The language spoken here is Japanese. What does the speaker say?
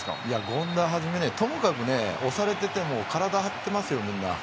権田をはじめともかく押されてても体を張っています、みんな。